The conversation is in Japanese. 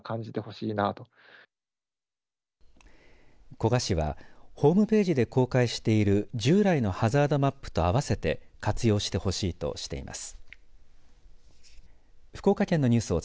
古賀市はホームページで公開している従来のハザードマップと併せて活用してほしいとしています。